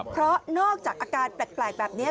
เพราะนอกจากอาการแปลกแบบนี้